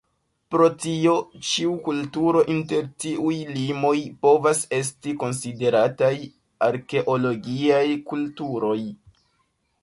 Pro tio ĉiu kulturo inter tiuj limoj povas esti konsiderataj Arkeologiaj kulturoj.